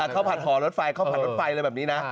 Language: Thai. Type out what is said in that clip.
ข้าวผัดห่อรถไฟข้าวผัดรถไฟอะไรแบบนี้นะ